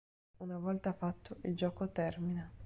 Una volta fatto, il gioco termina.